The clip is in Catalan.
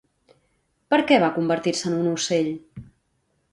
Per què va convertir-se en un ocell?